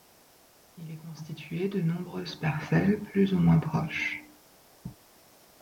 Il est constitué de nombreuses parcelles plus ou moins proches.